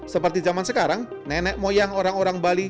seperti zaman sekarang nenek moyang orang orang bali